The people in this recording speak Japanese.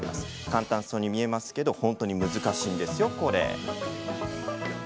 簡単そうに見えますけど本当に難しいんですよ、これ。